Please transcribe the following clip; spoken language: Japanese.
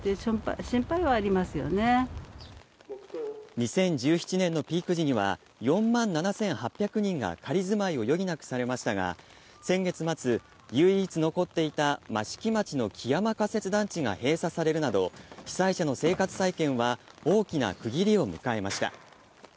２０１７年のピーク時には４万７８００人が仮住まいを余儀なくされましたが、先月末、唯一残っていた益城町の木山仮設団地が閉鎖されるなど、被災者の生活再建は大きな区切りを迎えました。